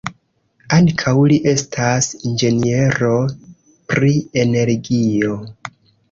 Ankaŭ li estas inĝeniero pri energio.